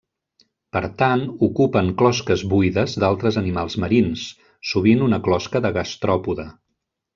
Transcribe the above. Per tant, ocupen closques buides d'altres animals marins, sovint una closca de gastròpode.